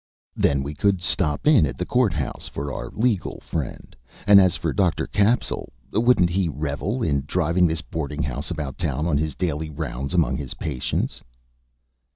Then we could stop in at the court house for our legal friend; and as for Doctor Capsule, wouldn't he revel in driving this boarding house about town on his daily rounds among his patients?"